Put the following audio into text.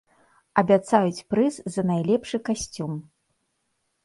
Абяцаюць прыз за найлепшы касцюм!